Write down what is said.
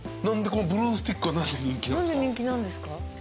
何でこのブルースティックが人気なんですか？